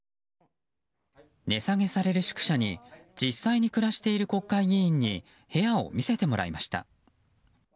値下げされる宿舎に実際に暮らしている国会議員に部屋を見せてもらいました。